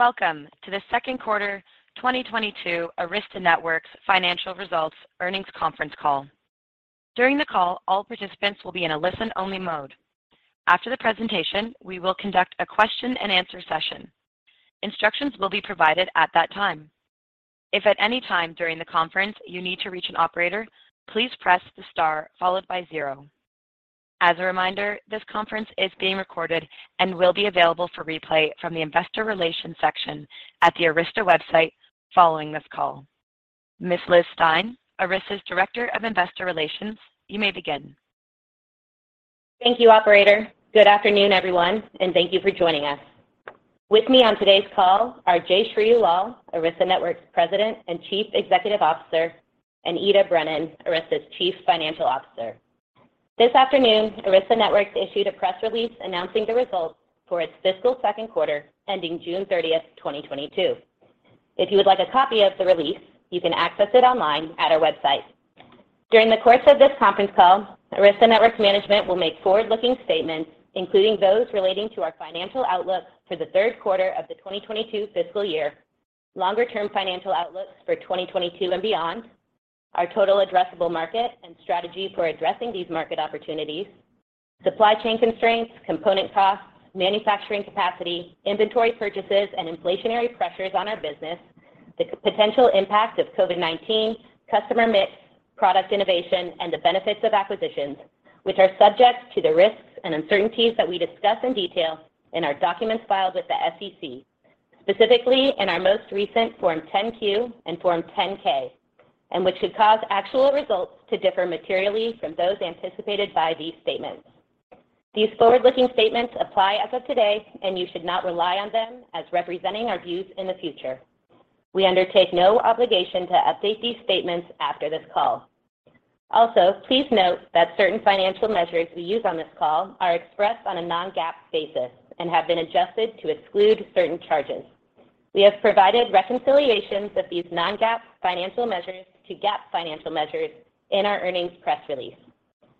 Welcome to the second quarter 2022 Arista Networks financial results earnings conference call. During the call, all participants will be in a listen-only mode. After the presentation, we will conduct a question and answer session. Instructions will be provided at that time. If at any time during the conference you need to reach an operator, please press the star followed by zero. As a reminder, this conference is being recorded and will be available for replay from the investor relations section at the Arista website following this call. Ms. Liz Stine, Arista's Director of Investor Relations, you may begin. Thank you, operator. Good afternoon, everyone, and thank you for joining us. With me on today's call are Jayshree Ullal, Arista Networks President and Chief Executive Officer, and Ita Brennan, Arista's Chief Financial Officer. This afternoon, Arista Networks issued a press release announcing the results for its fiscal second quarter ending June 30th, 2022. If you would like a copy of the release, you can access it online at our website. During the course of this conference call, Arista Networks management will make forward-looking statements, including those relating to our financial outlook for the third quarter of the 2022 fiscal year, longer-term financial outlooks for 2022 and beyond, our total addressable market and strategy for addressing these market opportunities, supply chain constraints, component costs, manufacturing capacity, inventory purchases, and inflationary pressures on our business, the potential impact of COVID-19, customer mix, product innovation, and the benefits of acquisitions, which are subject to the risks and uncertainties that we discuss in detail in our documents filed with the SEC, specifically in our most recent Form 10-Q and Form 10-K, and which could cause actual results to differ materially from those anticipated by these statements. These forward-looking statements apply as of today, and you should not rely on them as representing our views in the future. We undertake no obligation to update these statements after this call. Also, please note that certain financial measures we use on this call are expressed on a non-GAAP basis and have been adjusted to exclude certain charges. We have provided reconciliations of these non-GAAP financial measures to GAAP financial measures in our earnings press release.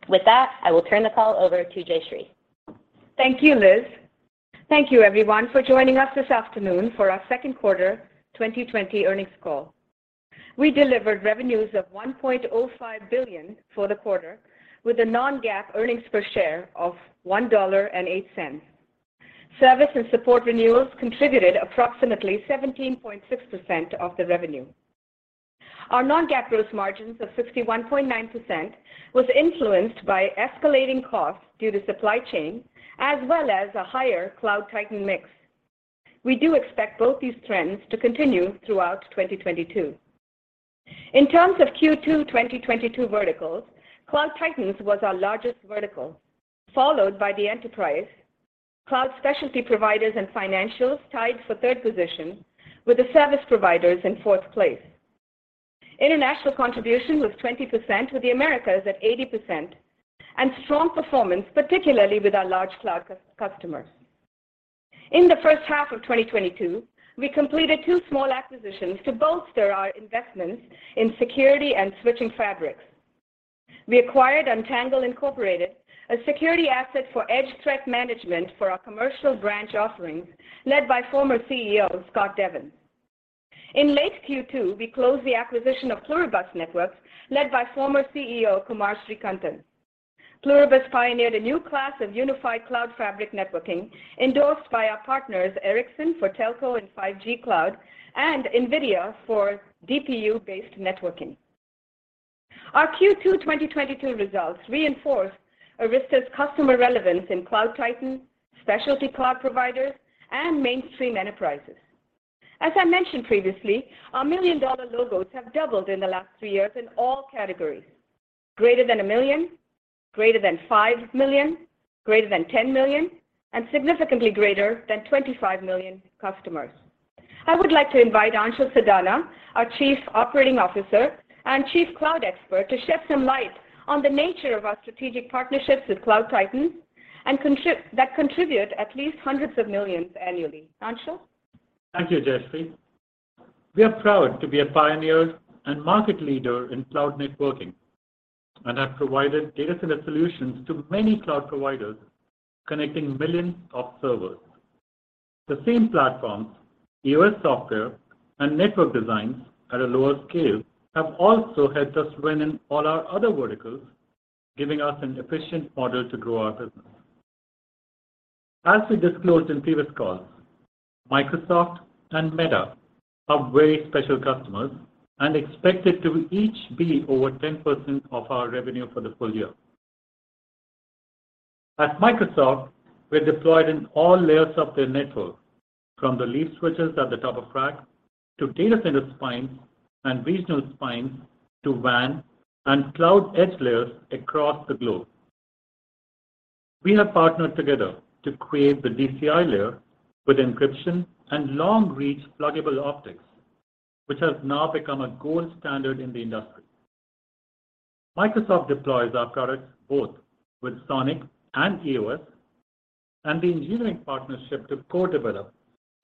With that, I will turn the call over to Jayshree. Thank you, Liz. Thank you, everyone, for joining us this afternoon for our Q2 2020 earnings call. We delivered revenues of $1.05 billion for the quarter, with a non-GAAP earnings per share of $1.08. Service and support renewals contributed approximately 17.6% of the revenue. Our non-GAAP gross margins of 61.9% was influenced by escalating costs due to supply chain, as well as a higher Cloud Titan mix. We do expect both these trends to continue throughout 2022. In terms of Q2 2022 verticals, Cloud Titan was our largest vertical, followed by the enterprise, cloud specialty providers and financials tied for third position, with the service providers in fourth place. International contribution was 20%, with the Americas at 80%, and strong performance, particularly with our large cloud customers. In the first half of 2022, we completed two small acquisitions to bolster our investments in security and switching fabrics. We acquired Untangle, Inc., a security asset for edge threat management for our commercial branch offerings, led by former CEO Scott Devens. In late Q2, we closed the acquisition of Pluribus Networks, led by former CEO Kumar Srikantan. Pluribus pioneered a new class of unified cloud fabric networking, endorsed by our partners Ericsson for telco and 5G cloud and NVIDIA for DPU-based networking. Our Q2 2022 results reinforce Arista's customer relevance in Cloud Titan, specialty cloud providers, and mainstream enterprises. As I mentioned previously, our million-dollar logos have doubled in the last three years in all categories. Greater than $1 million, greater than $5 million, greater than $10 million, and significantly greater than $25 million customers. I would like to invite Anshul Sadana, our Chief Operating Officer and Chief Cloud Expert, to shed some light on the nature of our strategic partnerships with Cloud Titan and that contribute at least hundreds of millions annually. Anshul? Thank you, Jayshree. We are proud to be a pioneer and market leader in cloud networking, and have provided data center solutions to many cloud providers, connecting millions of servers. The same platforms, EOS software, and network designs at a lower scale have also helped us win in all our other verticals, giving us an efficient model to grow our business. As we disclosed in previous calls, Microsoft and Meta are very special customers and expected to each be over 10% of our revenue for the full year. At Microsoft, we're deployed in all layers of their network, from the leaf switches at the top of rack to data center spines and regional spines to WAN and cloud edge layers across the globe. We have partnered together to create the DCI layer with encryption and long-reach pluggable optics, which has now become a gold standard in the industry. Microsoft deploys our products both with SONiC and EOS, and the engineering partnership to co-develop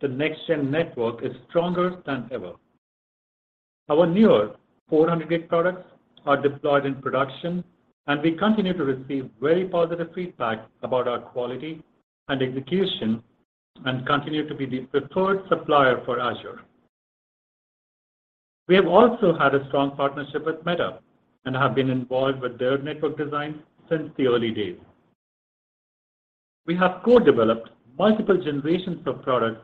the next gen network is stronger than ever. Our newer 400 gig products are deployed in production, and we continue to receive very positive feedback about our quality and execution and continue to be the preferred supplier for Azure. We have also had a strong partnership with Meta and have been involved with their network design since the early days. We have co-developed multiple generations of products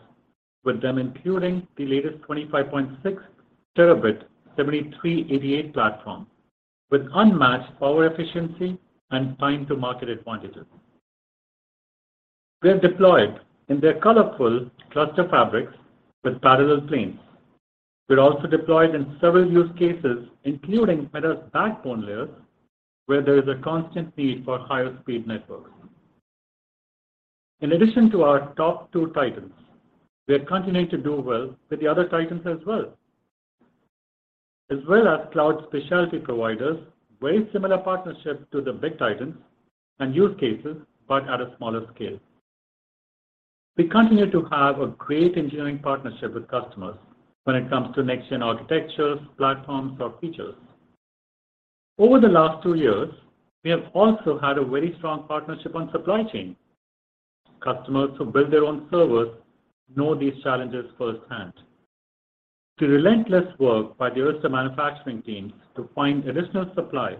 with them, including the latest 25.6 TB 73 ADM platform with unmatched power efficiency and time to market advantages. We are deployed in their colorful cluster fabrics with parallel planes. We're also deployed in several use cases, including Meta's backbone layers, where there is a constant need for higher speed networks. In addition to our top two Titans, we are continuing to do well with the other Titans as well. As well as cloud specialty providers, very similar partnership to the big Titans and use cases, but at a smaller scale. We continue to have a great engineering partnership with customers when it comes to next-gen architectures, platforms, or features. Over the last two years, we have also had a very strong partnership on supply chain. Customers who build their own servers know these challenges firsthand. The relentless work by the Arista manufacturing teams to find additional supply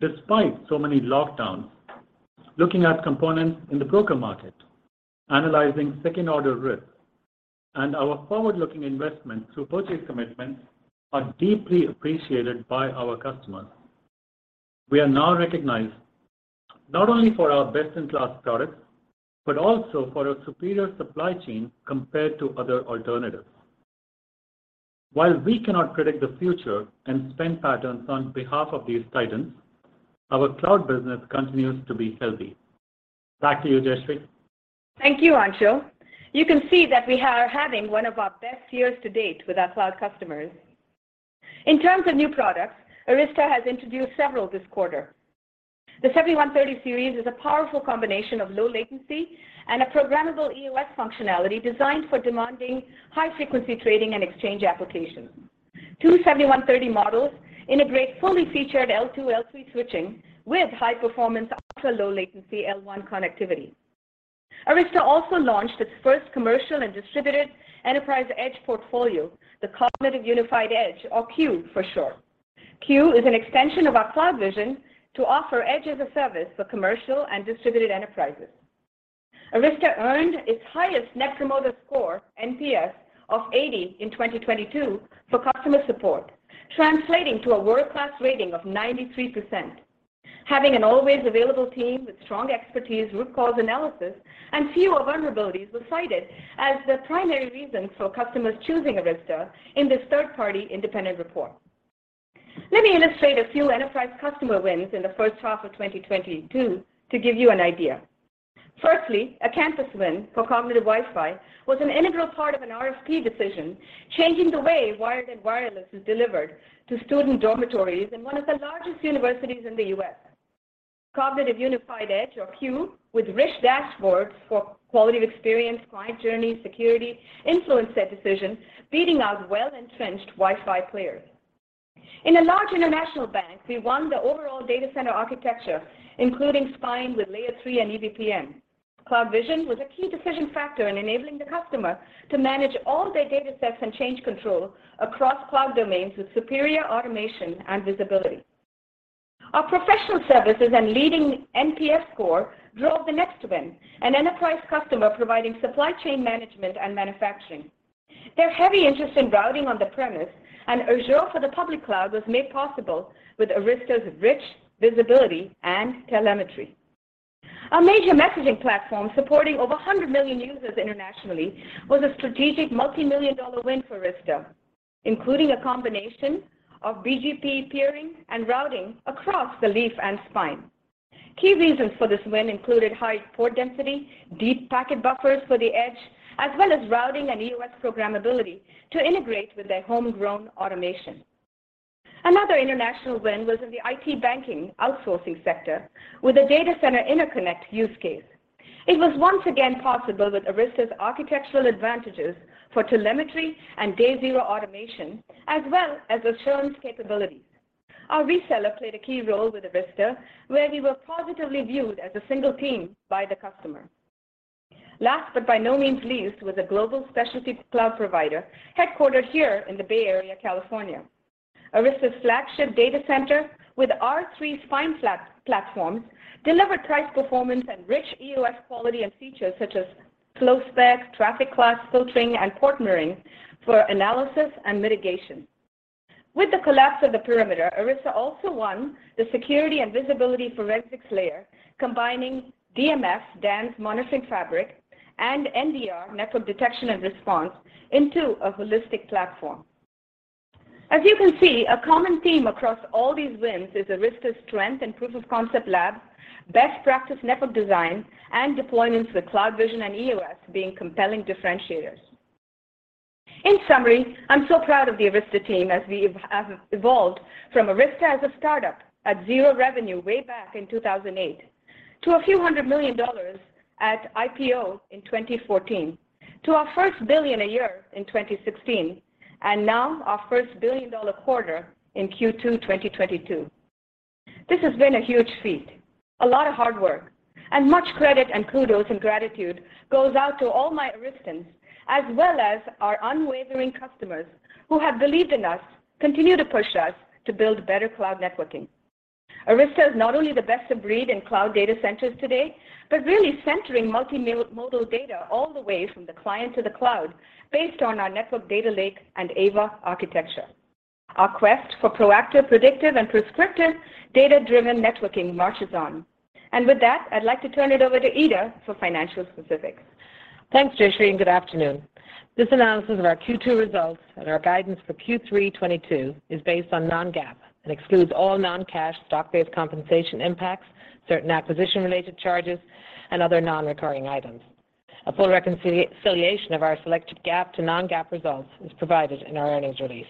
despite so many lockdowns, looking at components in the broker market, analyzing second order risks, and our forward-looking investments through purchase commitments are deeply appreciated by our customers. We are now recognized not only for our best-in-class products, but also for our superior supply chain compared to other alternatives. While we cannot predict the future and spending patterns on behalf of these titans, our cloud business continues to be healthy. Back to you, Jayshree. Thank you, Anshul. You can see that we are having one of our best years to date with our cloud customers. In terms of new products, Arista has introduced several this quarter. The 7130 Series is a powerful combination of low latency and a programmable EOS functionality designed for demanding high-frequency trading and exchange applications. Two 7130 models integrate fully featured L2, L3 switching with high-performance ultra-low latency L1 connectivity. Arista also launched its first commercial and distributed enterprise edge portfolio, the Cognitive Unified Edge, or CUE for short. CUE is an extension of our CloudVision to offer edge as a service for commercial and distributed enterprises. Arista earned its highest Net Promoter Score, NPS, of 80 in 2022 for customer support, translating to a world-class rating of 93%. Having an always available team with strong expertise, root cause analysis, and fewer vulnerabilities was cited as the primary reasons for customers choosing Arista in this third-party independent report. Let me illustrate a few enterprise customer wins in the first half of 2022 to give you an idea. Firstly, a campus win for Cognitive Wi-Fi was an integral part of an RFP decision, changing the way wired and wireless is delivered to student dormitories in one of the largest universities in the U.S. Cognitive Unified Edge or CUE with rich dashboards for quality of experience, client journey, security influenced that decision, beating out well-entrenched Wi-Fi players. In a large international bank, we won the overall data center architecture, including spine with Layer III and EVPN. CloudVision was a key decision factor in enabling the customer to manage all their data sets and change control across cloud domains with superior automation and visibility. Our professional services and leading NPS score drove the next win, an enterprise customer providing supply chain management and manufacturing. Their heavy interest in routing on the premise and Azure for the public cloud was made possible with Arista's rich visibility and telemetry. A major messaging platform supporting over 100 million users internationally was a strategic multi-million dollar win for Arista, including a combination of BGP peering and routing across the leaf and spine. Key reasons for this win included high port density, deep packet buffers for the edge, as well as routing and EOS programmability to integrate with their homegrown automation. Another international win was in the IT banking outsourcing sector with a data center interconnect use case. It was once again possible with Arista's architectural advantages for telemetry and day zero automation, as well as assurance capabilities. Our reseller played a key role with Arista, where we were positively viewed as a single team by the customer. Last, but by no means least, was a global specialty cloud provider headquartered here in the Bay Area, California. Arista's flagship data center with R3 spine flat platforms delivered price performance and rich EOS quality and features such as FlowSpec, traffic class filtering, and port mirroring for analysis and mitigation. With the collapse of the perimeter, Arista also won the security and visibility forensics layer, combining DMF (DANZ Monitoring Fabric) and NDR (Network Detection and Response, into a holistic platform. As you can see, a common theme across all these wins is Arista's strength in proof of concept lab, best practice network design, and deployments with CloudVision and EOS being compelling differentiators. In summary, I'm so proud of the Arista team as we have evolved from Arista as a start-up at zero revenue way back in 2008 to a few hundred million dollars at IPO in 2014 to our first $1 billion a year in 2016 and now our first $1 billion quarter in Q2 2022. This has been a huge feat, a lot of hard work and much credit and kudos and gratitude goes out to all my Aristans as well as our unwavering customers who have believed in us, continue to push us to build better cloud networking. Arista is not only the best of breed in cloud data centers today, but really centering multi-modal data all the way from the client to the cloud based on our network data lake and AVA architecture. Our quest for proactive, predictive, and prescriptive data-driven networking marches on. With that, I'd like to turn it over to Ita Brennan for financial specifics. Thanks, Jayshree, and good afternoon. This analysis of our Q2 results and our guidance for Q3 2022 is based on non-GAAP and excludes all non-cash stock-based compensation impacts, certain acquisition-related charges, and other non-recurring items. A full reconciliation of our selected GAAP to non-GAAP results is provided in our earnings release.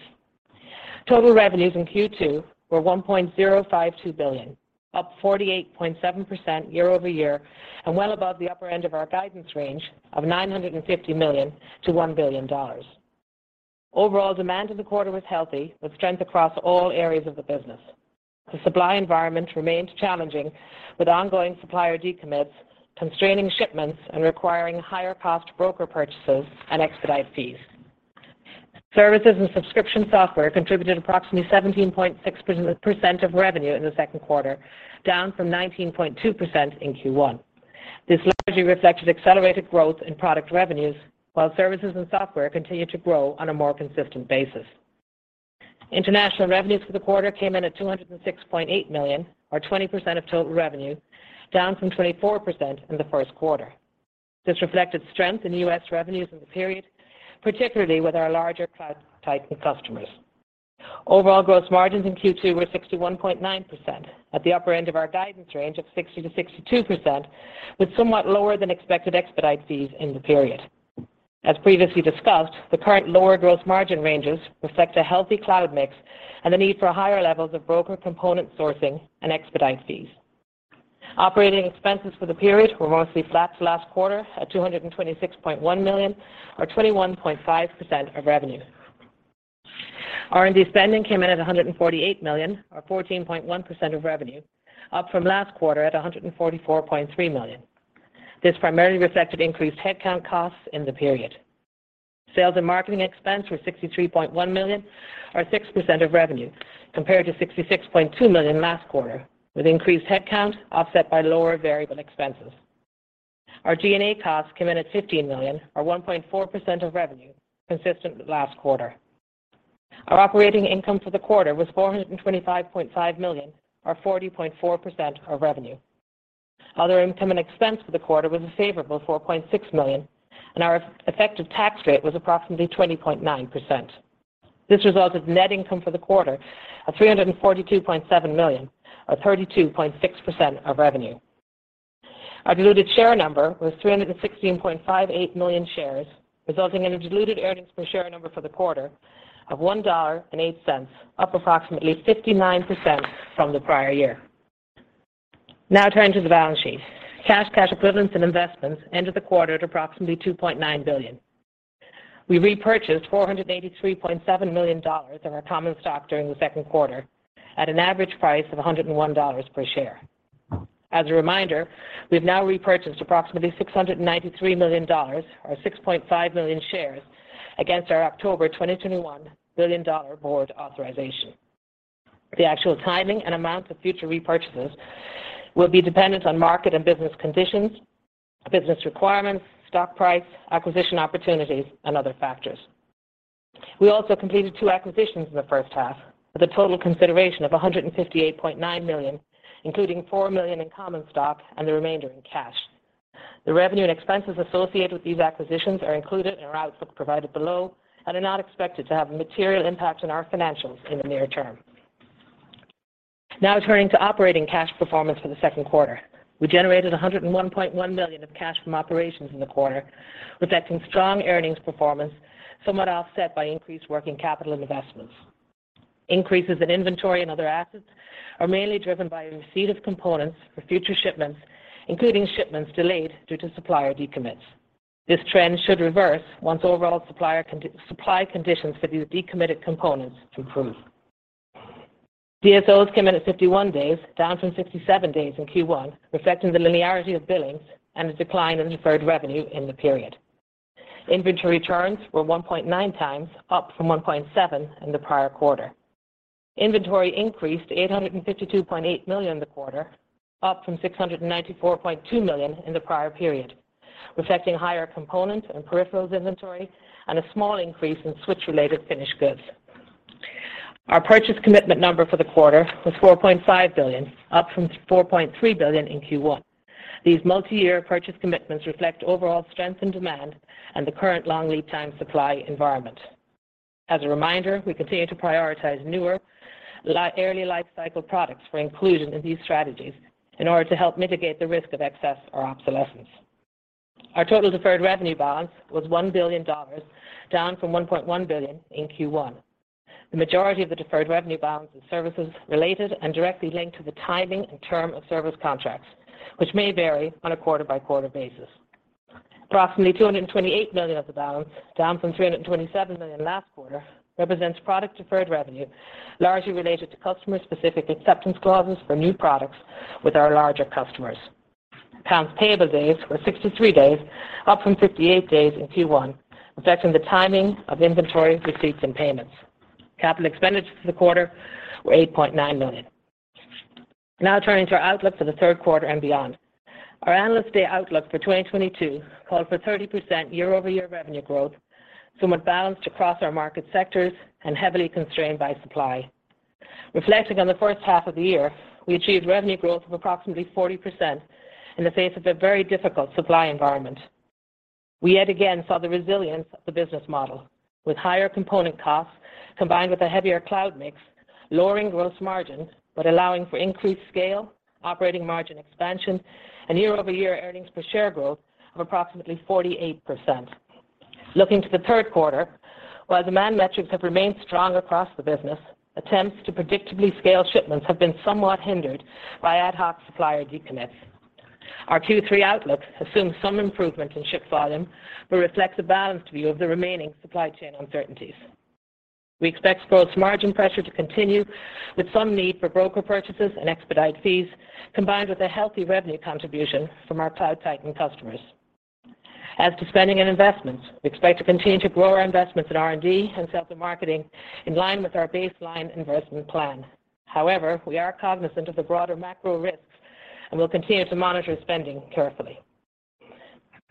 Total revenues in Q2 were $1.052 billion, up 48.7% year-over-year and well above the upper end of our guidance range of $950 million-$1 billion. Overall demand in the quarter was healthy with strength across all areas of the business. The supply environment remained challenging with ongoing supplier decommits, constraining shipments and requiring higher cost broker purchases and expedite fees. Services and subscription software contributed approximately 17.6% of revenue in the second quarter, down from 19.2% in Q1. This largely reflected accelerated growth in product revenues while services and software continued to grow on a more consistent basis. International revenues for the quarter came in at $206.8 million, or 20% of total revenue, down from 24% in the first quarter. This reflected strength in U.S. revenues in the period, particularly with our larger Cloud Titan customers. Overall gross margins in Q2 were 61.9% at the upper end of our guidance range of 60%-62% with somewhat lower than expected expedite fees in the period. As previously discussed, the current lower gross margin ranges reflect a healthy cloud mix and the need for higher levels of broader component sourcing and expedite fees. Operating expenses for the period were mostly flat to last quarter at $226.1 million or 21.5% of revenue. R&D spending came in at $148 million or 14.1% of revenue, up from last quarter at $144.3 million. This primarily reflected increased headcount costs in the period. Sales and marketing expense were $63.1 million or 6% of revenue compared to $66.2 million last quarter, with increased headcount offset by lower variable expenses. Our G&A costs came in at $15 million or 1.4% of revenue, consistent with last quarter. Our operating income for the quarter was $425.5 million or 40.4% of revenue. Other income and expense for the quarter was a favorable $4.6 million, and our effective tax rate was approximately 20.9%. This resulted in net income for the quarter of $342.7 million or 32.6% of revenue. Our diluted share number was 316.58 million shares, resulting in a diluted earnings per share number for the quarter of $1.08, up approximately 59% from the prior year. Now turning to the balance sheet. Cash, cash equivalents, and investments ended the quarter at approximately $2.9 billion. We repurchased $483.7 million of our common stock during the second quarter at an average price of $101 per share. As a reminder, we've now repurchased approximately $693 million or 6.5 million shares against our October 2021 $1 billion board authorization. The actual timing and amount of future repurchases will be dependent on market and business conditions, business requirements, stock price, acquisition opportunities, and other factors. We also completed two acquisitions in the first half with a total consideration of $158.9 million, including $4 million in common stock and the remainder in cash. The revenue and expenses associated with these acquisitions are included in our outlook provided below and are not expected to have a material impact on our financials in the near term. Now turning to operating cash performance for the second quarter. We generated $101.1 million of cash from operations in the quarter, reflecting strong earnings performance, somewhat offset by increased working capital and investments. Increases in inventory and other assets are mainly driven by receipt of components for future shipments, including shipments delayed due to supplier decommits. This trend should reverse once overall supplier supply conditions for these decommitted components improve. DSOs came in at 51 days, down from 67 days in Q1, reflecting the linearity of billings and a decline in deferred revenue in the period. Inventory turns were 1.9x, up from 1.7x in the prior quarter. Inventory increased to $852.8 million in the quarter, up from $694.2 million in the prior period, reflecting higher component and peripherals inventory and a small increase in switch-related finished goods. Our purchase commitment number for the quarter was $4.5 billion, up from $4.3 billion in Q1. These multi-year purchase commitments reflect overall strength in demand and the current long lead time supply environment. As a reminder, we continue to prioritize newer early life cycle products for inclusion in these strategies in order to help mitigate the risk of excess or obsolescence. Our total deferred revenue balance was $1 billion, down from $1.1 billion in Q1. The majority of the deferred revenue balance is services related and directly linked to the timing and term of service contracts, which may vary on a quarter-by-quarter basis. Approximately $228 million of the balance, down from $327 million last quarter, represents product deferred revenue, largely related to customer-specific acceptance clauses for new products with our larger customers. Accounts payable days were 63 days, up from 58 days in Q1, affecting the timing of inventory receipts and payments. Capital expenditures for the quarter were $8.9 million. Now turning to our outlook for the third quarter and beyond. Our Analyst Day outlook for 2022 called for 30% year-over-year revenue growth, somewhat balanced across our market sectors and heavily constrained by supply. Reflecting on the first half of the year, we achieved revenue growth of approximately 40% in the face of a very difficult supply environment. We yet again saw the resilience of the business model, with higher component costs combined with a heavier cloud mix, lowering gross margin, but allowing for increased scale, operating margin expansion, and year-over-year earnings per share growth of approximately 48%. Looking to the third quarter, while demand metrics have remained strong across the business, attempts to predictably scale shipments have been somewhat hindered by ad hoc supplier decommits. Our Q3 outlook assumes some improvement in ship volume, but reflects a balanced view of the remaining supply chain uncertainties. We expect gross margin pressure to continue with some need for broker purchases and expedite fees, combined with a healthy revenue contribution from our Cloud Titan customers. As to spending and investments, we expect to continue to grow our investments in R&D and sales and marketing in line with our baseline investment plan. However, we are cognizant of the broader macro risks and will continue to monitor spending carefully.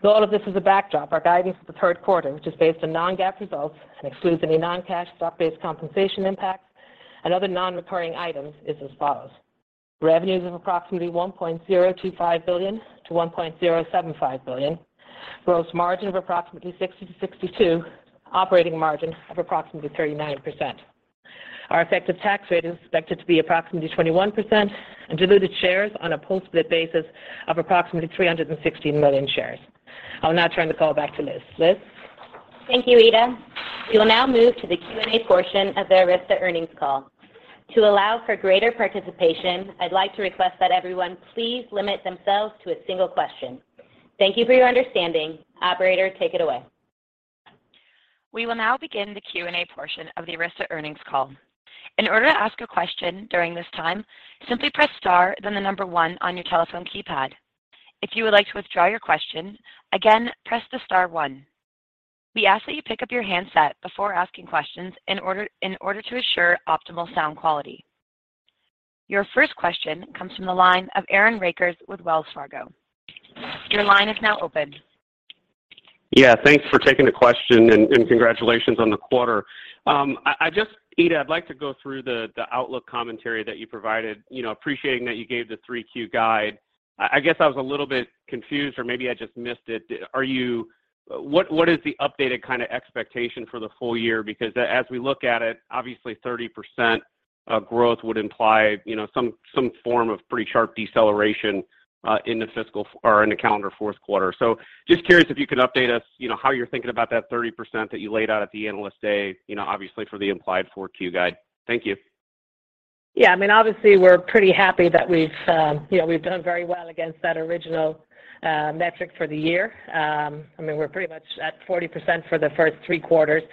With all of this as a backdrop, our guidance for the third quarter, which is based on non-GAAP results and excludes any non-cash stock-based compensation impacts and other non-recurring items, is as follows. Revenues of approximately $1.025 billion-$1.075 billion. Gross margin of approximately 60%-62%. Operating margin of approximately 39%. Our effective tax rate is expected to be approximately 21%, and diluted shares on a post-split basis of approximately 316 million shares. I will now turn the call back to Liz. Liz? Thank you, Ita. We will now move to the Q&A portion of the Arista earnings call. To allow for greater participation, I'd like to request that everyone please limit themselves to a single question. Thank you for your understanding. Operator, take it away. We will now begin the Q&A portion of the Arista earnings call. In order to ask a question during this time, simply press star, then the number one on your telephone keypad. If you would like to withdraw your question, again, press the star one. We ask that you pick up your handset before asking questions in order to assure optimal sound quality. Your first question comes from the line of Aaron Rakers with Wells Fargo. Your line is now open. Yeah, thanks for taking the question and congratulations on the quarter. I just Ita, I'd like to go through the outlook commentary that you provided, you know, appreciating that you gave the 3Q guide. I guess I was a little bit confused or maybe I just missed it. What is the updated kind of expectation for the full year? Because as we look at it, obviously 30% of growth would imply, you know, some form of pretty sharp deceleration in the fiscal or in the calendar fourth quarter. Just curious if you could update us, you know, how you're thinking about that 30% that you laid out at the Analyst Day, you know, obviously for the implied 4Q guide. Thank you. Yeah. I mean, obviously, we're pretty happy that we've you know done very well against that original metric for the year. I mean, we're pretty much at 40% for the first three quarters.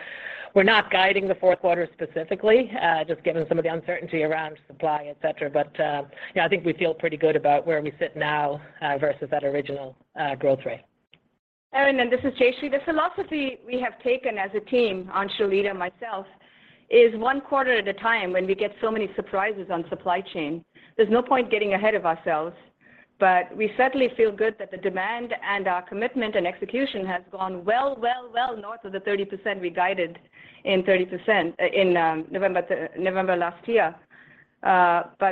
We're not guiding the fourth quarter specifically, just given some of the uncertainty around supply, et cetera. You know, I think we feel pretty good about where we sit now, versus that original growth rate. Aaron, this is Jayshree. The philosophy we have taken as a team, Anshul, Ita, and myself, is one quarter at a time when we get so many surprises on supply chain. There's no point getting ahead of ourselves, but we certainly feel good that the demand and our commitment and execution has gone well north of the 30% we guided in November last year.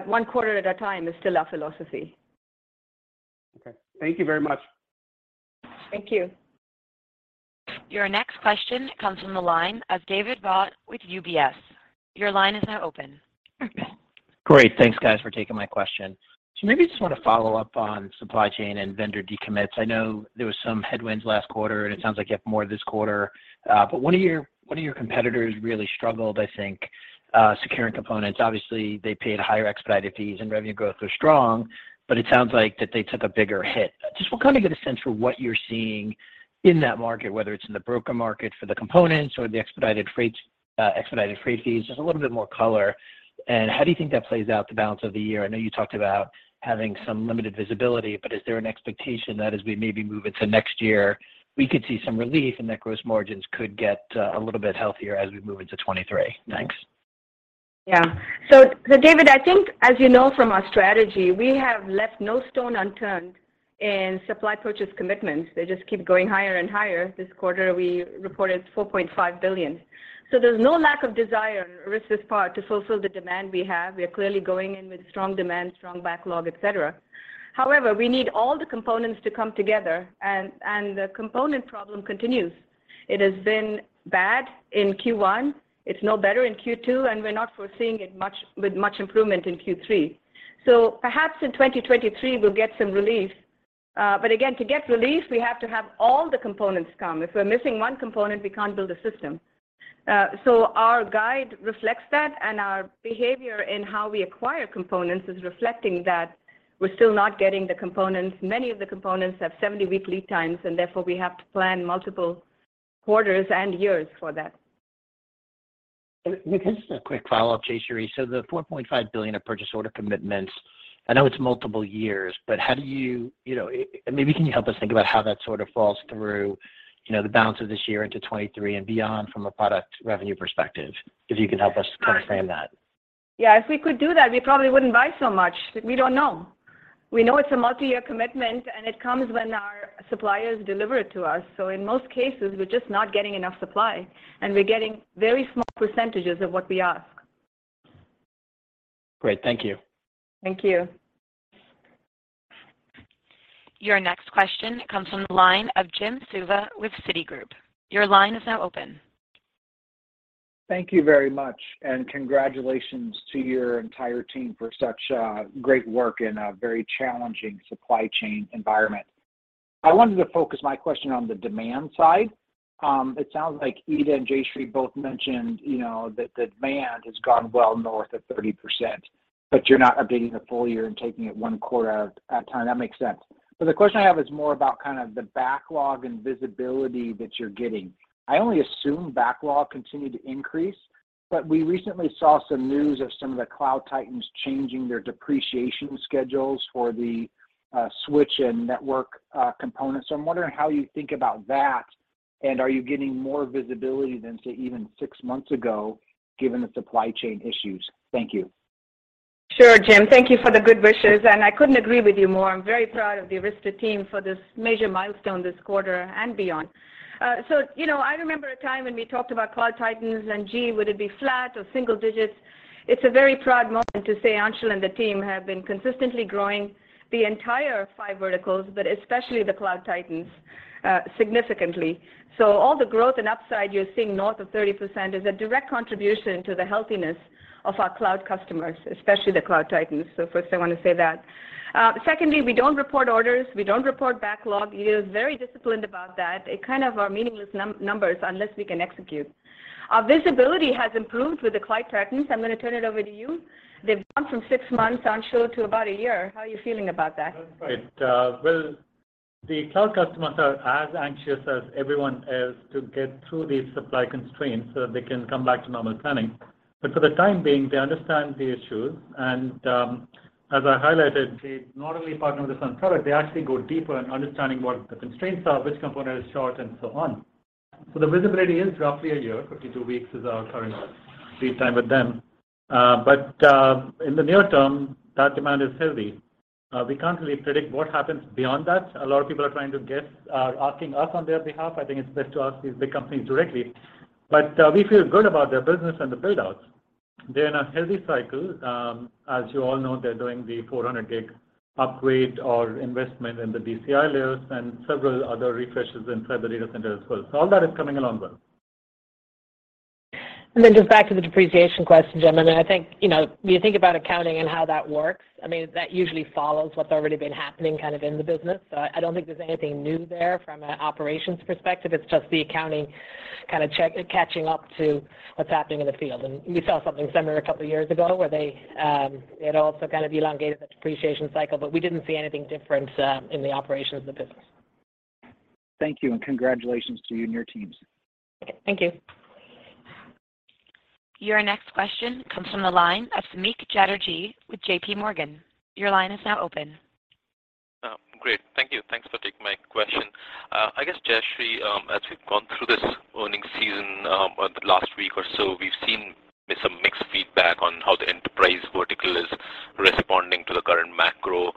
One quarter at a time is still our philosophy. Okay. Thank you very much. Thank you. Your next question comes from the line of David Vogt with UBS. Your line is now open. Great. Thanks, guys, for taking my question. So maybe just want to follow up on supply chain and vendor decommits. I know there was some headwinds last quarter, and it sounds like you have more this quarter. But one of your competitors really struggled, I think, securing components. Obviously, they paid higher expedited fees and revenue growth was strong, but it sounds like that they took a bigger hit. Just want to kind of get a sense for what you're seeing in that market, whether it's in the broker market for the components or the expedited freight fees, just a little bit more color. How do you think that plays out the balance of the year? I know you talked about having some limited visibility, but is there an expectation that as we maybe move into next year, we could see some relief and that gross margins could get a little bit healthier as we move into 2023? Thanks. Yeah. David, I think as you know from our strategy, we have left no stone unturned in supply purchase commitments. They just keep going higher and higher. This quarter, we reported $4.5 billion. There's no lack of desire on Arista's part to fulfill the demand we have. We are clearly going in with strong demand, strong backlog, et cetera. However, we need all the components to come together and the component problem continues. It has been bad in Q1. It's no better in Q2, and we're not foreseeing much improvement in Q3. Perhaps in 2023 we'll get some relief. Again, to get relief, we have to have all the components come. If we're missing one component, we can't build a system. Our guide reflects that, and our behavior in how we acquire components is reflecting that we're still not getting the components. Many of the components have 70-week lead times, and therefore we have to plan multiple quarters and years for that. Nick, can I just do a quick follow-up to Jayshree? The $4.5 billion of purchase order commitments, I know it's multiple years, but how do you know, maybe can you help us think about how that sort of falls through, you know, the balance of this year into 2023 and beyond from a product revenue perspective, if you can help us kind of frame that. Yeah, if we could do that, we probably wouldn't buy so much. We don't know. We know it's a multi-year commitment, and it comes when our suppliers deliver it to us. So in most cases, we're just not getting enough supply, and we're getting very small percentages of what we ask. Great. Thank you. Thank you. Your next question comes from the line of Jim Suva with Citigroup. Your line is now open. Thank you very much, and congratulations to your entire team for such great work in a very challenging supply chain environment. I wanted to focus my question on the demand side. It sounds like Ita and Jayshree both mentioned, you know, that the demand has gone well north of 30%, but you're not updating the full year and taking it one quarter at a time. That makes sense. The question I have is more about kind of the backlog and visibility that you're getting. I only assume backlog continued to increase, but we recently saw some news of some of the Cloud Titans changing their depreciation schedules for the switch and network components. So I'm wondering how you think about that, and are you getting more visibility than, say, even six months ago, given the supply chain issues? Thank you. Sure, Jim. Thank you for the good wishes, and I couldn't agree with you more. I'm very proud of the Arista team for this major milestone this quarter and beyond. You know, I remember a time when we talked about Cloud Titans and, gee, would it be flat or single digits? It's a very proud moment to say Anshul and the team have been consistently growing the entire five verticals, but especially the Cloud Titans, significantly. All the growth and upside you're seeing north of 30% is a direct contribution to the healthiness of our cloud customers, especially the Cloud Titans. First I want to say that. Secondly, we don't report orders. We don't report backlog. Ita is very disciplined about that. It kind of are meaningless numbers unless we can execute. Our visibility has improved with the Cloud Titans. I'm going to turn it over to you. They've gone from six months, Anshul, to about a year. How are you feeling about that? That's right. Well, the cloud customers are as anxious as everyone is to get through these supply constraints so that they can come back to normal planning. For the time being, they understand the issues and, as I highlighted, they not only partner with us on product, they actually go deeper in understanding what the constraints are, which component is short and so on. The visibility is roughly a year. 52 weeks is our current lead time with them. In the near term, that demand is healthy. We can't really predict what happens beyond that. A lot of people are trying to guess, are asking us on their behalf. I think it's best to ask these big companies directly. We feel good about their business and the build-outs. They're in a healthy cycle. As you all know, they're doing the 400 gig upgrade or investment in the DCI layers and several other refreshes inside the data center as well. All that is coming along well. Then just back to the depreciation question, Jim. I think, you know, when you think about accounting and how that works, I mean, that usually follows what's already been happening kind of in the business. I don't think there's anything new there from an operations perspective. It's just the accounting kind of catching up to what's happening in the field. We saw something similar a couple years ago where it also kind of elongated the depreciation cycle, but we didn't see anything different in the operations of the business. Thank you, and congratulations to you and your teams. Thank you. Your next question comes from the line of Samik Chatterjee with J.P. Morgan. Your line is now open. Great. Thank you. Thanks for taking my question. I guess, Jayshree, as we've gone through this earnings season, or the last week or so, we've seen some mixed feedback on how the enterprise vertical is responding to the current macro.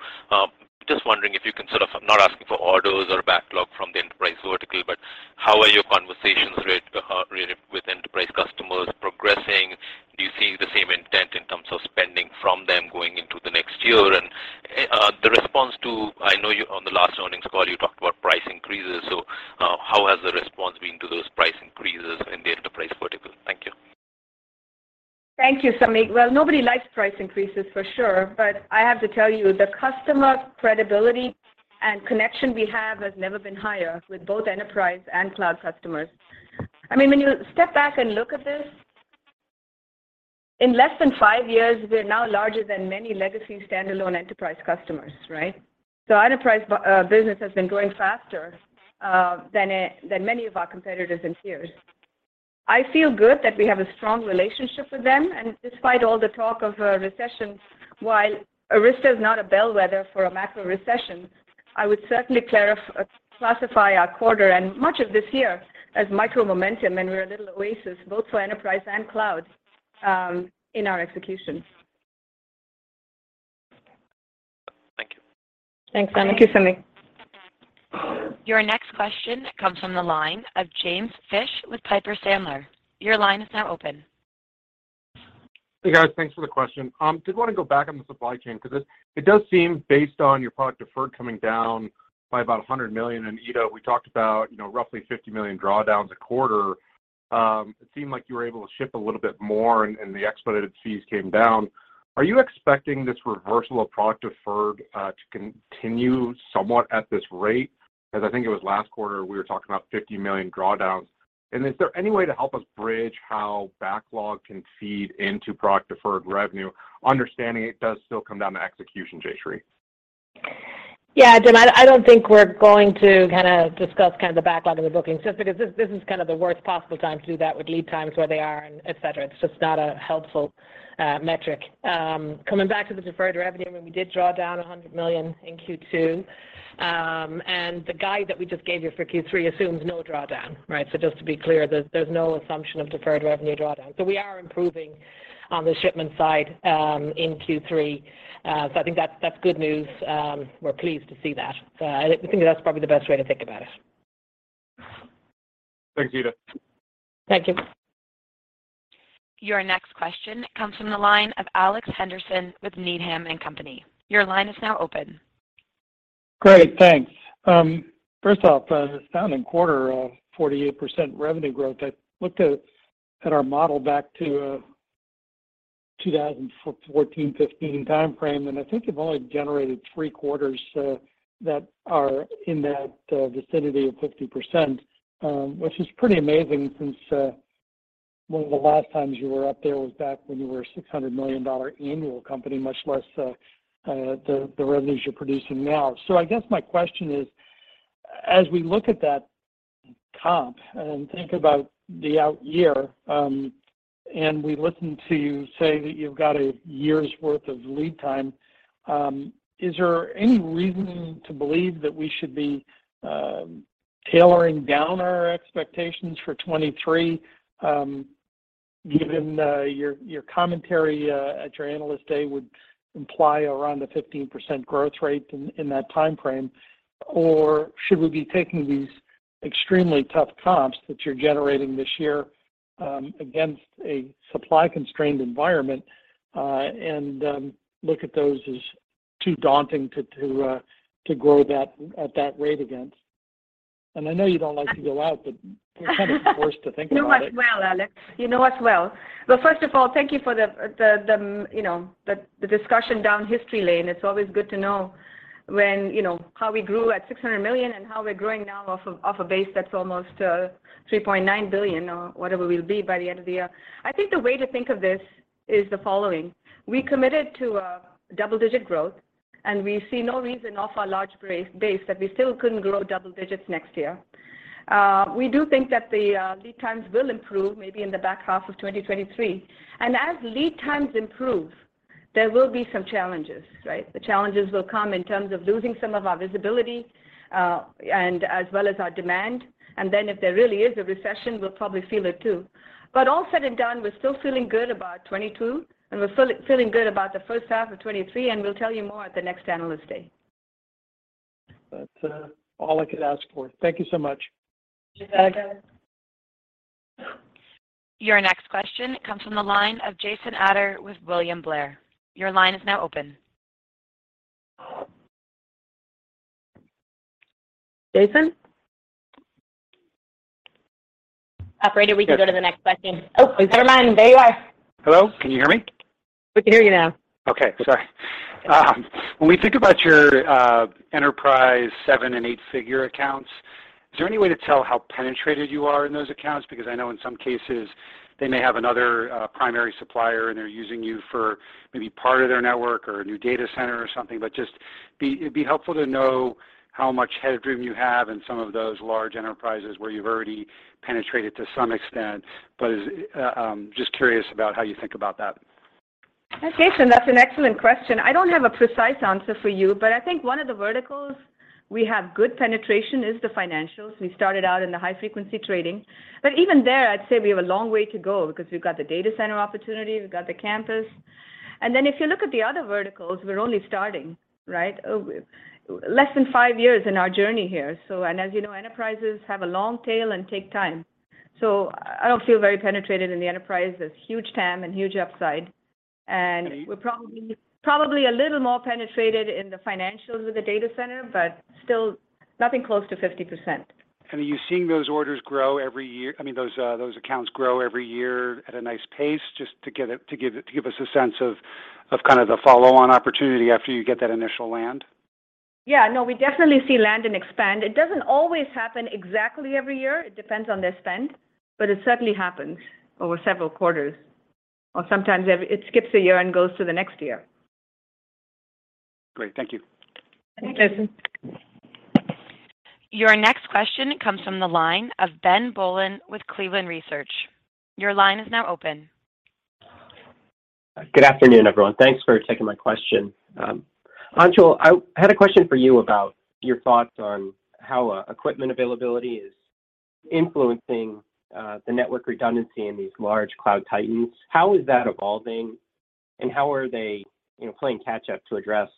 Just wondering if you can sort of—I'm not asking for orders or backlog from the enterprise vertical, but how are your conversations with enterprise customers progressing? Do you see the same intent in terms of spending from them going into the next year? And the response to, I know you on the last earnings call, you talked about price increases. So how has the response been to those price increases in the enterprise vertical? Thank you. Thank you, Samik. Well, nobody likes price increases for sure. I have to tell you, the customer credibility and connection we have has never been higher with both enterprise and cloud customers. I mean, when you step back and look at this, in less than five years, we're now larger than many legacy standalone enterprise customers, right? Enterprise business has been growing faster than many of our competitors and peers. I feel good that we have a strong relationship with them, and despite all the talk of a recession, while Arista is not a bellwether for a macro recession, I would certainly classify our quarter and much of this year as micro momentum, and we're a little oasis both for enterprise and cloud in our execution. Thank you. Thanks, Samik. Thank you, Samik. Your next question comes from the line of James Fish with Piper Sandler. Your line is now open. Hey, guys. Thanks for the question. Did want to go back on the supply chain because it does seem based on your product deferred coming down by about $100 million, and Ita, we talked about, you know, roughly $50 million drawdowns a quarter. It seemed like you were able to ship a little bit more and the expedited fees came down. Are you expecting this reversal of product deferred to continue somewhat at this rate? Because I think it was last quarter we were talking about $50 million drawdowns. Is there any way to help us bridge how backlog can feed into product deferred revenue, understanding it does still come down to execution, Jayshree? Yeah, James, I don't think we're going to kinda discuss the backlog in the bookings, just because this is kind of the worst possible time to do that with lead times where they are and et cetera. It's just not a helpful metric. Coming back to the deferred revenue, I mean, we did draw down $100 million in Q2. The guide that we just gave you for Q3 assumes no drawdown, right? Just to be clear, there's no assumption of deferred revenue drawdown. We are improving on the shipment side in Q3. I think that's good news. We're pleased to see that. I think that's probably the best way to think about it. Thanks, Jayshree Ullal. Thank you. Your next question comes from the line of Alex Henderson with Needham & Company. Your line is now open. Great, thanks. First off, astounding quarter of 48% revenue growth. I looked at our model back to 2014-2015 timeframe, and I think you've only generated three quarters that are in that vicinity of 50%, which is pretty amazing since one of the last times you were up there was back when you were a $600 million annual company, much less the revenues you're producing now. I guess my question is, as we look at that comp and think about the out year, and we listen to you say that you've got a year's worth of lead time, is there any reason to believe that we should be dialing down our expectations for 2023, given your commentary at your Analyst Day would imply around a 15% growth rate in that timeframe? Or should we be taking these extremely tough comps that you're generating this year, against a supply-constrained environment, and look at those as too daunting to grow that at that rate against? I know you don't like to go out, but we're kind of forced to think about it. You know us well, Alex. Thank you for the you know, the discussion down memory lane. It's always good to know when, you know, how we grew at $600 million and how we're growing now off of a base that's almost $3.9 billion or whatever we'll be by the end of the year. I think the way to think of this is the following, we committed to double-digit growth, and we see no reason off our large base that we still couldn't grow double digits next year. We do think that the lead times will improve maybe in the back half of 2023. As lead times improve, there will be some challenges, right? The challenges will come in terms of losing some of our visibility, and as well as our demand. If there really is a recession, we'll probably feel it too. All said and done, we're still feeling good about 2022, and we're feeling good about the first half of 2023, and we'll tell you more at the next Analyst Day. That's all I could ask for. Thank you so much. Thank you. Your next question comes from the line of Jason Ader with William Blair. Your line is now open. Jason? Operator, we can go to the next question. Oh, never mind. There you are. Hello? Can you hear me? We can hear you now. Okay, sorry. When we think about your enterprise seven and eight figure accounts, is there any way to tell how penetrated you are in those accounts? Because I know in some cases they may have another primary supplier, and they're using you for maybe part of their network or a new data center or something. But it'd be helpful to know how much headroom you have in some of those large enterprises where you've already penetrated to some extent. Just curious about how you think about that. Jason, that's an excellent question. I don't have a precise answer for you, but I think one of the verticals we have good penetration is the financials. We started out in the high-frequency trading. Even there, I'd say we have a long way to go because we've got the data center opportunity, we've got the campus. Then if you look at the other verticals, we're only starting, right? Less than five years in our journey here. As you know, enterprises have a long tail and take time. I don't feel very penetrated in the enterprise. There's huge TAM and huge upside, and we're probably a little more penetrated in the financials with the data center, but still nothing close to 50%. Are you seeing those orders grow every year? I mean, those accounts grow every year at a nice pace? Just to give us a sense of kind of the follow-on opportunity after you get that initial land. Yeah, no, we definitely see land and expand. It doesn't always happen exactly every year. It depends on their spend, but it certainly happens over several quarters, or sometimes it skips a year and goes to the next year. Great. Thank you. Thank you. Your next question comes from the line of Ben Bollin with Cleveland Research. Your line is now open. Good afternoon, everyone. Thanks for taking my question. Anshul, I had a question for you about your thoughts on how equipment availability is influencing the network redundancy in these large Cloud Titans. How is that evolving, and how are they, you know, playing catch up to address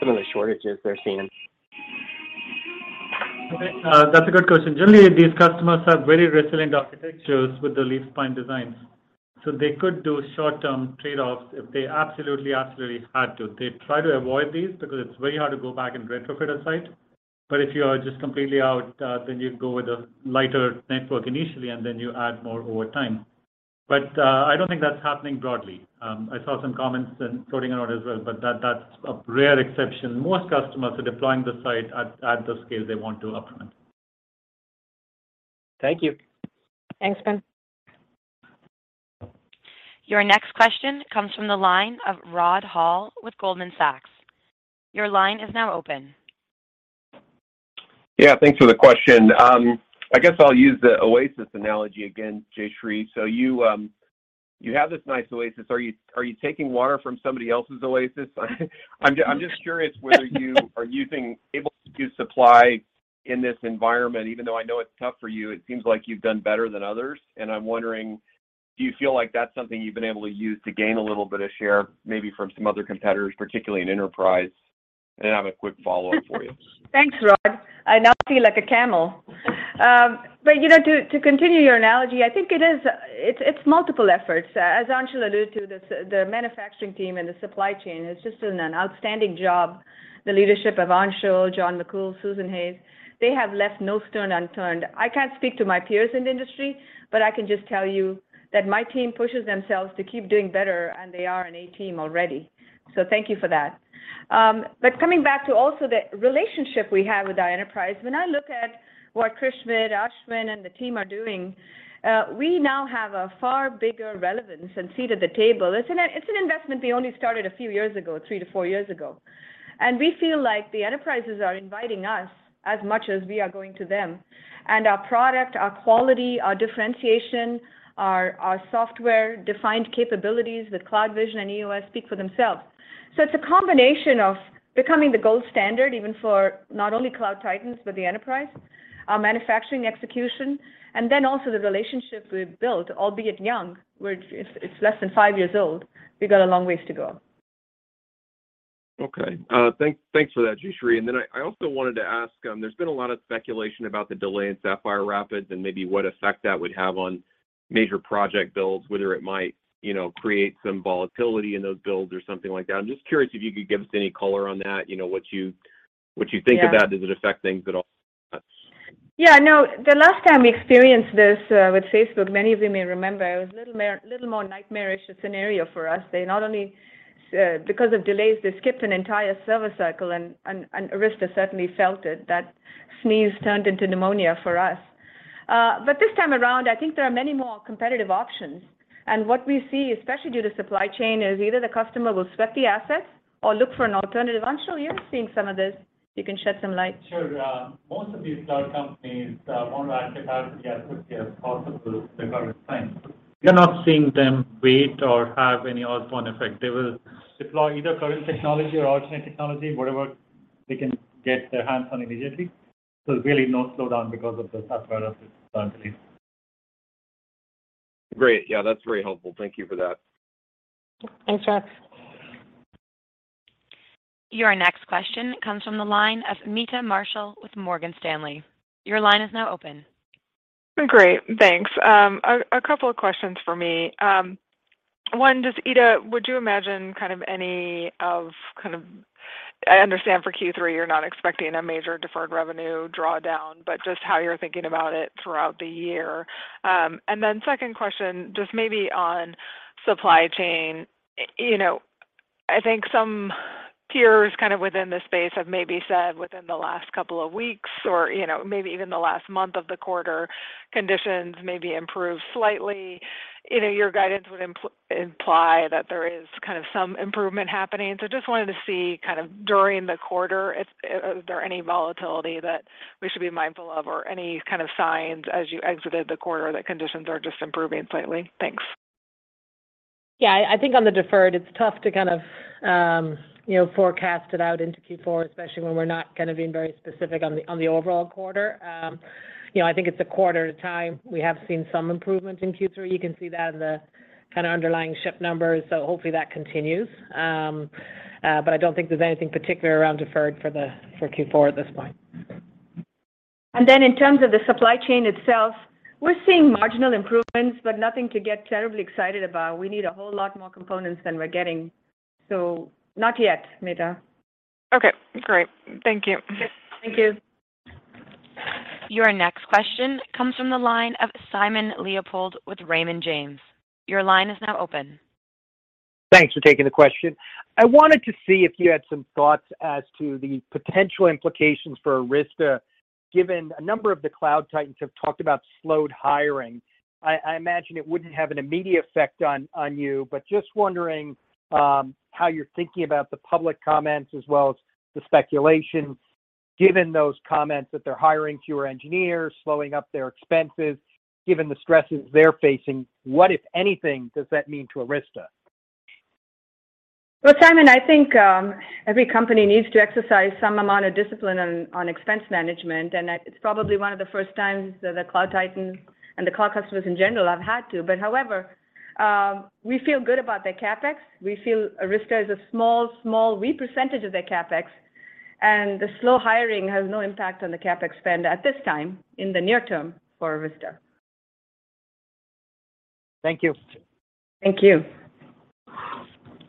some of the shortages they're seeing? Okay, that's a good question. Generally, these customers have very resilient architectures with the leaf spine designs. They could do short-term trade-offs if they absolutely had to. They try to avoid these because it's very hard to go back and retrofit a site. If you are just completely out, then you go with a lighter network initially, and then you add more over time. I don't think that's happening broadly. I saw some comments floating around as well, but that's a rare exception. Most customers are deploying the site at the scale they want to upfront. Thank you. Thanks, Ben. Your next question comes from the line of Rod Hall with Goldman Sachs. Your line is now open. Yeah, thanks for the question. I guess I'll use the oasis analogy again, Jayshree. You have this nice oasis. Are you taking water from somebody else's oasis? I'm just curious whether you are able to do supply in this environment, even though I know it's tough for you. It seems like you've done better than others, and I'm wondering, do you feel like that's something you've been able to use to gain a little bit of share maybe from some other competitors, particularly in enterprise? Then I have a quick follow-up for you. Thanks, Rod. I now feel like a camel. You know, to continue your analogy, I think it's multiple efforts. As Anshul alluded to, the manufacturing team and the supply chain has just done an outstanding job. The leadership of Anshul, John McCool, Susan Hayes, they have left no stone unturned. I can't speak to my peers in the industry, but I can just tell you that my team pushes themselves to keep doing better, and they are an A team already. Thank you for that. Coming back to also the relationship we have with our enterprise, when I look at what Curtis McKee, Ashwin Kohli, and the team are doing, we now have a far bigger relevance and seat at the table. It's an investment we only started a few years ago, 3-4 years ago. We feel like the enterprises are inviting us as much as we are going to them, and our product, our quality, our differentiation, our software-defined capabilities with CloudVision and EOS speak for themselves. It's a combination of becoming the gold standard, even for not only Cloud Titans, but the enterprise, our manufacturing execution, and then also the relationships we've built, albeit young. It's less than five years old. We've got a long ways to go. Thanks for that, Jayshree. I also wanted to ask, there's been a lot of speculation about the delay in Sapphire Rapids and maybe what effect that would have on major project builds, whether it might, you know, create some volatility in those builds or something like that. I'm just curious if you could give us any color on that. You know, what you think about- Yeah. Does it affect things at all? Yeah, no. The last time we experienced this with Facebook, many of you may remember, it was a little more nightmarish a scenario for us. They not only, because of delays, they skipped an entire service cycle and Arista certainly felt it. That sneeze turned into pneumonia for us. This time around, I think there are many more competitive options. What we see, especially due to supply chain, is either the customer will sweat the assets or look for an alternative. Anshul, you're seeing some of this. You can shed some light. Sure. Most of these cloud companies want to architect as fast as possible regardless of type. We are not seeing them wait or have any adverse effect. They will deploy either current technology or alternate technology, whatever they can get their hands on immediately. There's really no slowdown because of the Sapphire Rapids delay. Great. Yeah, that's very helpful. Thank you for that. Thanks, Rod. Your next question comes from the line of Meta Marshall with Morgan Stanley. Your line is now open. Great, thanks. A couple of questions for me. One, just, Ita, I understand for Q3, you're not expecting a major deferred revenue drawdown, but just how you're thinking about it throughout the year. Second question, just maybe on supply chain. You know, I think some peers kind of within the space have maybe said within the last couple of weeks or, you know, maybe even the last month of the quarter, conditions maybe improved slightly. You know, your guidance would imply that there is kind of some improvement happening. Just wanted to see kind of during the quarter if is there any volatility that we should be mindful of or any kind of signs as you exited the quarter that conditions are just improving slightly? Thanks. Yeah, I think on the deferred, it's tough to kind of forecast it out into Q4, especially when we're not kind of being very specific on the overall quarter. I think it's a quarter at a time. We have seen some improvement in Q3. You can see that in the kind of underlying ship numbers, so hopefully that continues. I don't think there's anything particular around deferred for Q4 at this point. In terms of the supply chain itself, we're seeing marginal improvements, but nothing to get terribly excited about. We need a whole lot more components than we're getting. Not yet, Meta. Okay, great. Thank you. Thank you. Your next question comes from the line of Simon Leopold with Raymond James. Your line is now open. Thanks for taking the question. I wanted to see if you had some thoughts as to the potential implications for Arista, given a number of the Cloud Titans have talked about slowed hiring. I imagine it wouldn't have an immediate effect on you, but just wondering how you're thinking about the public comments as well as the speculation, given those comments that they're hiring fewer engineers, slowing up their expenses, given the stresses they're facing. What, if anything, does that mean to Arista? Well, Simon, I think every company needs to exercise some amount of discipline on expense management, and it's probably one of the first times that the Cloud Titans and the cloud customers in general have had to. However, we feel good about their CapEx. We feel Arista is a small percentage of their CapEx. The slow hiring has no impact on the CapEx spend at this time in the near term for Arista. Thank you. Thank you.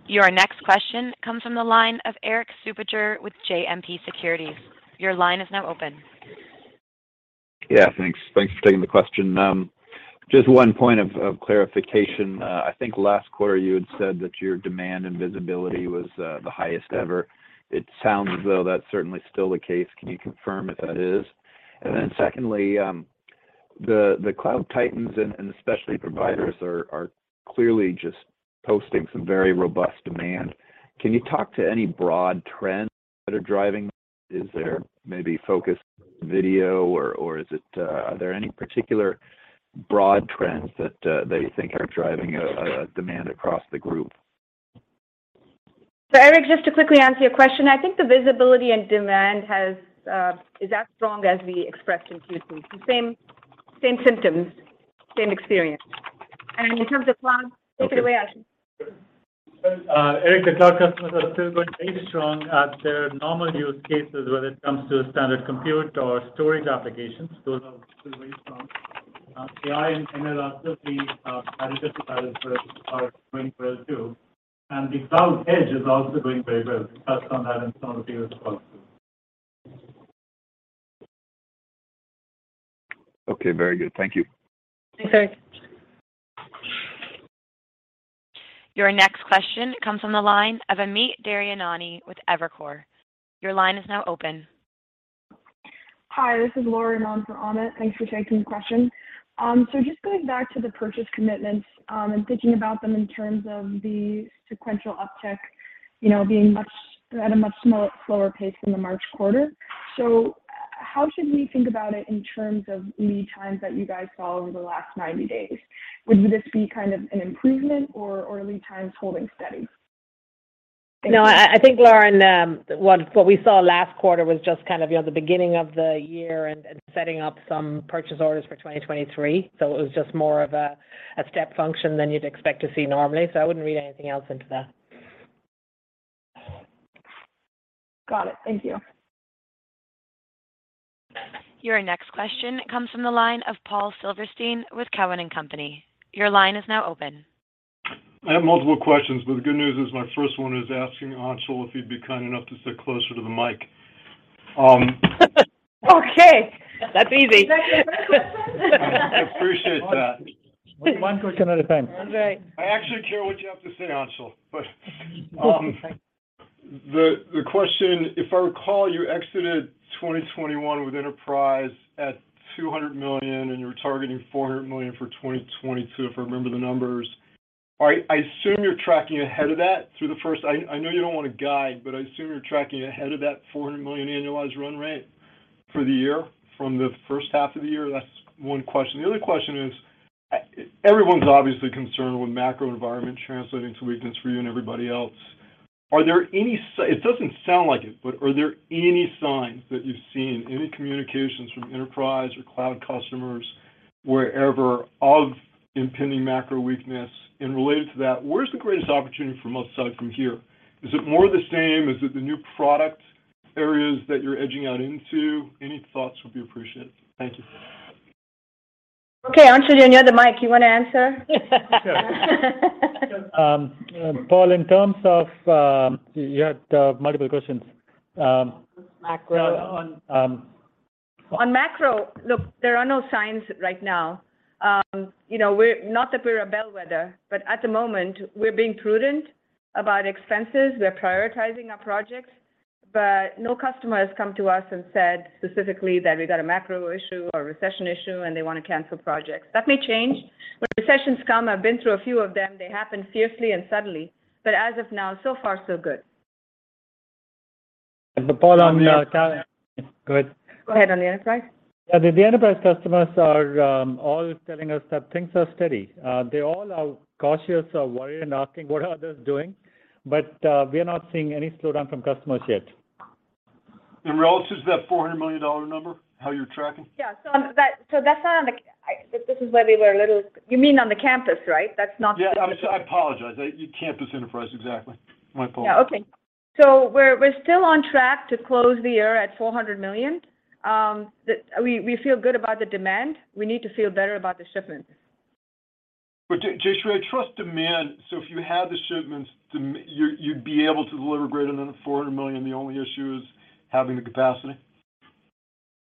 Your next question comes from the line of Erik Suppiger with JMP Securities. Your line is now open. Yeah, thanks. Thanks for taking the question. Just one point of clarification. I think last quarter you had said that your demand and visibility was the highest ever. It sounds as though that's certainly still the case. Can you confirm if that is? And then secondly, the Cloud Titans and the specialty providers are clearly just posting some very robust demand. Can you talk to any broad trends that are driving this? Is there maybe focus on video or is it? Are there any particular broad trends that you think are driving a demand across the group? Erik, just to quickly answer your question, I think the visibility and demand has, is as strong as we expressed in Q3. The same symptoms, same experience. In terms of cloud, take it away, Anshul. Okay. Erik, the cloud customers are still going very strong at their normal use cases, whether it comes to standard compute or storage applications. Those are still very strong. AI and ML are still the narrative to follow for us, are going well too. The cloud edge is also doing very well. We touched on that in some of the previous calls too. Okay, very good. Thank you. Thanks, Erik. Your next question comes from the line of Amit Daryanani with Evercore. Your line is now open. Hi, this is Lauren on for Amit. Thanks for taking the question. Just going back to the purchase commitments, and thinking about them in terms of the sequential uptick, you know, being at a much slower pace than the March quarter. How should we think about it in terms of lead times that you guys saw over the last 90 days? Would this be kind of an improvement or lead times holding steady? No, I think Lauren, what we saw last quarter was just kind of, you know, the beginning of the year and setting up some purchase orders for 2023. It was just more of a step function than you'd expect to see normally. I wouldn't read anything else into that. Got it. Thank you. Your next question comes from the line of Paul Silverstein with Cowen and Company. Your line is now open. I have multiple questions, but the good news is my first one is asking Anshul if he'd be kind enough to sit closer to the mic. Okay. That's easy. Is that your first question? I appreciate that. One question at a time. All right. I actually care what you have to say, Anshul Sadana. The question, if I recall, you exited 2021 with enterprise at $200 million, and you were targeting $400 million for 2022, if I remember the numbers. I assume you're tracking ahead of that through the first half of the year. I know you don't want to guide, but I assume you're tracking ahead of that $400 million annualized run rate for the year from the first half of the year. That's one question. The other question is, everyone's obviously concerned with macro environment translating to weakness for you and everybody else. Are there any signs that you've seen, any communications from enterprise or cloud customers wherever of impending macro weakness? Related to that, where's the greatest opportunity for upside from here? Is it more the same? Is it the new product areas that you're edging out into? Any thoughts would be appreciated. Thank you. Okay, Anshul, you're near the mic. You wanna answer? Yeah. Paul, in terms of, you had multiple questions. Macro. Um- On macro, look, there are no signs right now. You know, we're not that we're a bellwether, but at the moment we're being prudent about expenses. We're prioritizing our projects, but no customer has come to us and said specifically that we've got a macro issue or recession issue and they wanna cancel projects. That may change. When recessions come, I've been through a few of them, they happen fiercely and suddenly. But as of now, so far so good. Paul, go ahead. Go ahead on the enterprise. Yeah, the enterprise customers are all telling us that things are steady. They all are cautious or worried and asking what others doing, but we are not seeing any slowdown from customers yet. Relative to that $400 million number, how you're tracking? Yeah. That's not on the. This is where we were a little. You mean on the campus, right? That's not the. Yeah. I apologize. The campus enterprise, exactly. My fault. Yeah. Okay. We're still on track to close the year at $400 million. We feel good about the demand. We need to feel better about the shipments. Jayshree, I trust demand. If you had the shipments, you'd be able to deliver greater than $400 million, the only issue is having the capacity?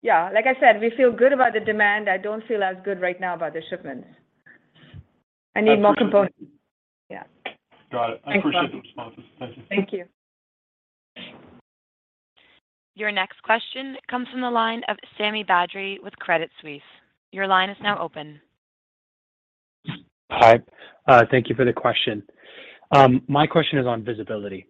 Yeah. Like I said, we feel good about the demand. I don't feel as good right now about the shipments. I need more components. That's what I thought. Yeah. Got it. Thanks, Paul. I appreciate the responses. Thank you. Thank you. Your next question comes from the line of Sami Badri with Credit Suisse. Your line is now open. Hi. Thank you for the question. My question is on visibility.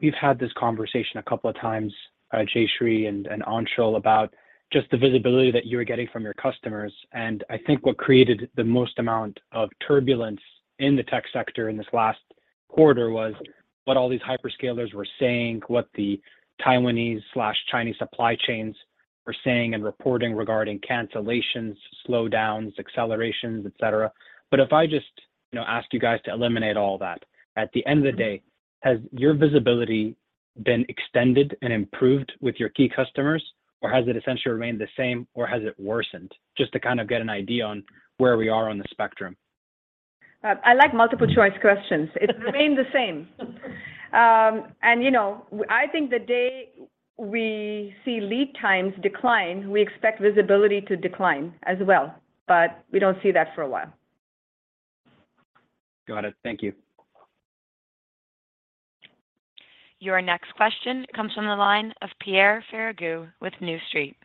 We've had this conversation a couple of times, Jayshree and Anshul, about just the visibility that you're getting from your customers. I think what created the most amount of turbulence in the tech sector in this last quarter was what all these hyperscalers were saying, what the Taiwanese/Chinese supply chains were saying and reporting regarding cancellations, slowdowns, accelerations, et cetera. If I just You know, ask you guys to eliminate all that. At the end of the day, has your visibility been extended and improved with your key customers, or has it essentially remained the same, or has it worsened? Just to kind of get an idea on where we are on the spectrum. I like multiple choice questions. It remained the same. You know, I think the day we see lead times decline, we expect visibility to decline as well, but we don't see that for a while. Got it. Thank you. Your next question comes from the line of Pierre Ferragu with New Street.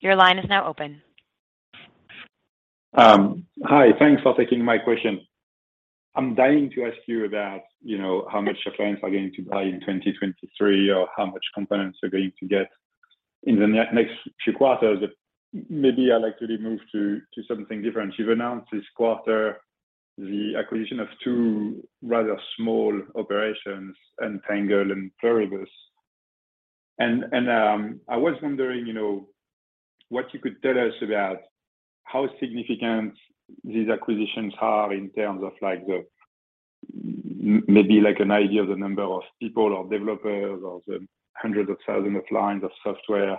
Your line is now open. Hi. Thanks for taking my question. I'm dying to ask you about, you know, how much your clients are going to buy in 2023 or how much components are going to get in the next few quarters. But maybe I'd like to move to something different. You've announced this quarter the acquisition of two rather small operations, Untangle and Pluribus. I was wondering, you know, what you could tell us about how significant these acquisitions are in terms of, like, maybe like an idea of the number of people or developers or the hundreds of thousands of lines of software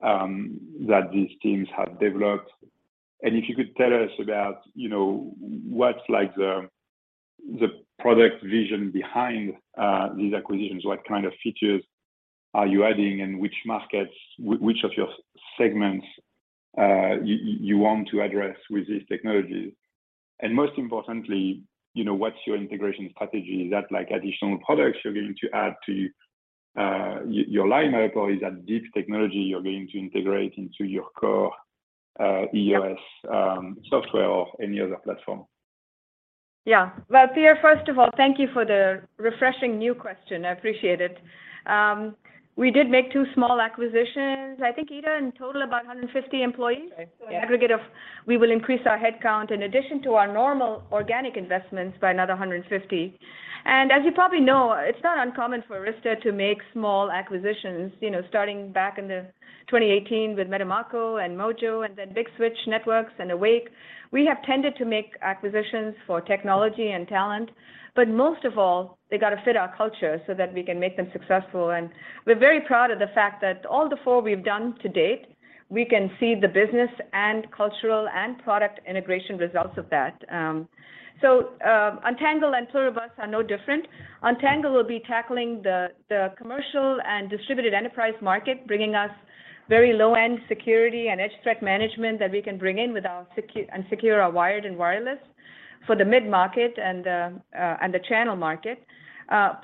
that these teams have developed. If you could tell us about, you know, what's like the product vision behind these acquisitions, what kind of features are you adding and which markets, which of your segments you want to address with these technologies? Most importantly, you know, what's your integration strategy? Is that like additional products you're going to add to your line item, or is that deep technology you're going to integrate into your core EOS software or any other platform? Yeah. Well, Pierre, first of all, thank you for the refreshing new question. I appreciate it. We did make two small acquisitions, I think, Ita, in total, about 150 employees. Right. Yeah. In aggregate, we will increase our headcount in addition to our normal organic investments by another 150. As you probably know, it's not uncommon for Arista to make small acquisitions. You know, starting back in 2018 with Metamako and Mojo Networks and then Big Switch Networks and Awake Security. We have tended to make acquisitions for technology and talent, but most of all, they got to fit our culture so that we can make them successful. We're very proud of the fact that all the four we've done to date, we can see the business and cultural and product integration results of that. Untangle and Pluribus Networks are no different. Untangle will be tackling the commercial and distributed enterprise market, bringing us very low-end security and edge threat management that we can bring in with our security and secure our wired and wireless for the mid-market and the channel market.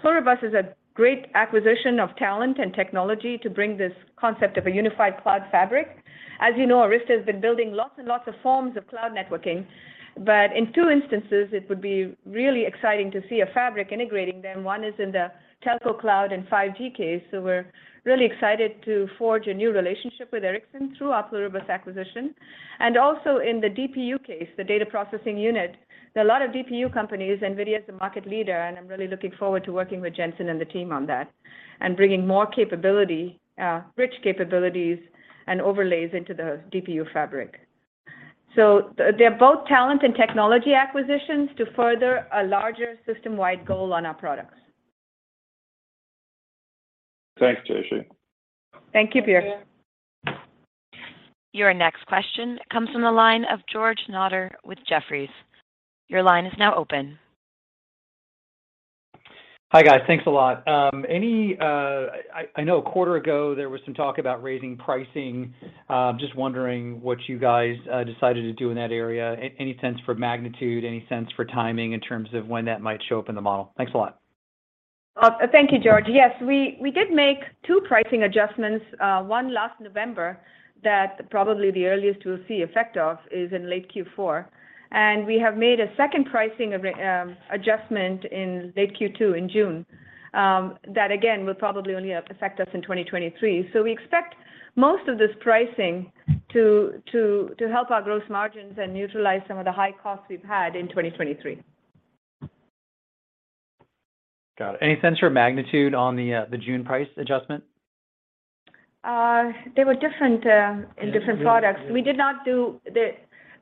Pluribus is a great acquisition of talent and technology to bring this concept of a unified cloud fabric. As you know, Arista has been building lots and lots of forms of cloud networking. In two instances, it would be really exciting to see a fabric integrating them. One is in the telco cloud and 5G case. We're really excited to forge a new relationship with Ericsson through our Pluribus acquisition. In the DPU case, the data processing unit, there are a lot of DPU companies. NVIDIA is the market leader, and I'm really looking forward to working with Jensen and the team on that and bringing more capability, rich capabilities and overlays into the DPU fabric. They're both talent and technology acquisitions to further a larger system-wide goal on our products. Thanks, Jayshree Ullal. Thank you, Pierre. Thank you. Your next question comes from the line of George Notter with Jefferies. Your line is now open. Hi, guys. Thanks a lot. I know a quarter ago there was some talk about raising pricing. Just wondering what you guys decided to do in that area. Any sense for magnitude, any sense for timing in terms of when that might show up in the model? Thanks a lot. Thank you, George. Yes, we did make two pricing adjustments, one last November that probably the earliest we'll see effect of is in late Q4. We have made a second pricing adjustment in late Q2 in June, that again, will probably only affect us in 2023. We expect most of this pricing to help our growth margins and neutralize some of the high costs we've had in 2023. Got it. Any sense for magnitude on the June price adjustment? They were different in different products.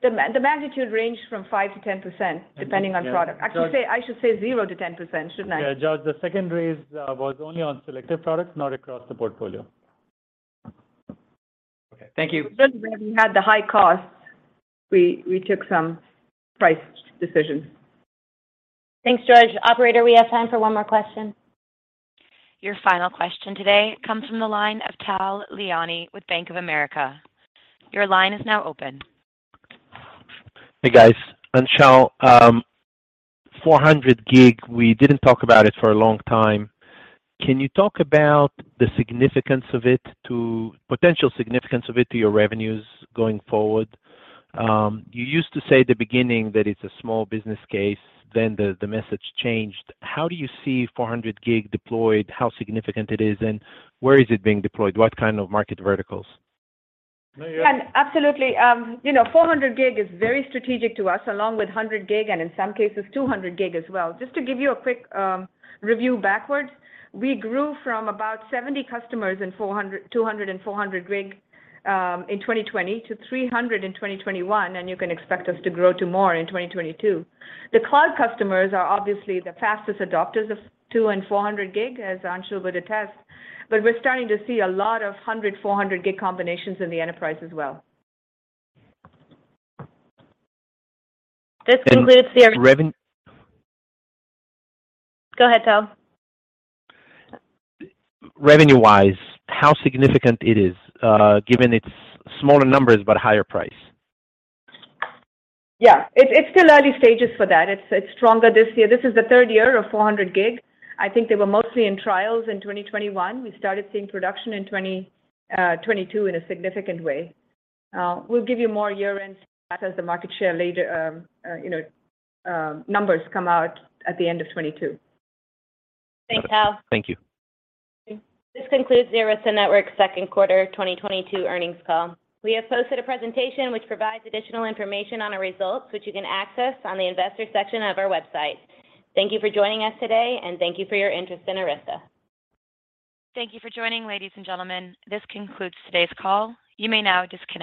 The magnitude ranged from 5%-10% depending on product. Actually, I should say 0%-10%, shouldn't I? Yeah, George, the second raise was only on selective products, not across the portfolio. Okay. Thank you. We had the high costs. We took some price decisions. Thanks, George. Operator, we have time for one more question. Your final question today comes from the line of Tal Liani with Bank of America. Your line is now open. Hey, guys. Anshul, 400 gig, we didn't talk about it for a long time. Can you talk about the potential significance of it to your revenues going forward? You used to say at the beginning that it's a small business case, then the message changed. How do you see 400 gig deployed, how significant it is, and where is it being deployed? What kind of market verticals? Yeah, absolutely. You know, 400 gig is very strategic to us, along with 100 gig, and in some cases, 200 gig as well. Just to give you a quick review backwards, we grew from about 70 customers in 200 gig and 400 gig in 2020 to 300 in 2021, and you can expect us to grow to more in 2022. The cloud customers are obviously the fastest adopters of 200 and 400 gig, as Anshul would attest, but we're starting to see a lot of 100 gig, 400 gig combinations in the enterprise as well. This concludes the. And reven- Go ahead, Tal. Revenue-wise, how significant it is, given its smaller numbers but higher price? Yeah. It's still early stages for that. It's stronger this year. This is the third year of 400 gig. I think they were mostly in trials in 2021. We started seeing production in 2022 in a significant way. We'll give you more year-end stats and the market share later, you know, numbers come out at the end of 2022. Thanks, Tal. Thank you. This concludes the Arista Networks second quarter 2022 earnings call. We have posted a presentation which provides additional information on our results, which you can access on the investor section of our website. Thank you for joining us today, and thank you for your interest in Arista. Thank you for joining, ladies and gentlemen. This concludes today's call. You may now disconnect.